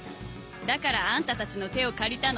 だからあんたたちの手を借りたの